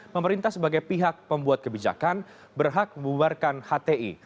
pemerintah sebagai pihak pembuat kebijakan berhak membuarkan hti